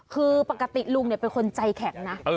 คือปกติลุงเป็นคนใจแข็งนะ